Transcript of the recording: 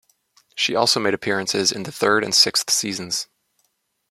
She also made appearances in the third and sixth seasons.